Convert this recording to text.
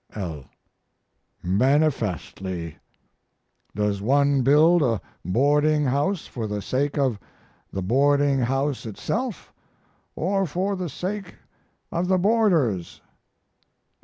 L. Manifestly. Does one build a boarding house for the sake of the boarding house itself or for the sake of the boarders?